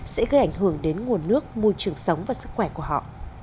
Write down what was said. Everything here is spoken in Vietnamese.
sẽ gây ảnh hưởng đến nguồn nước môi trường sống và sức khỏe của họ